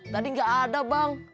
tadi gak ada bang